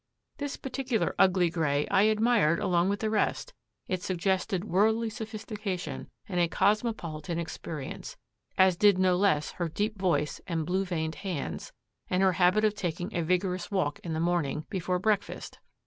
This particular ugly gray I admired along with the rest: it suggested worldly sophistication and a cosmopolitan experience, as did no less her deep voice and blue veined hands, and her habit of taking a vigorous walk in the morning, before breakfast.